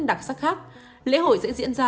đặc sắc khác lễ hội sẽ diễn ra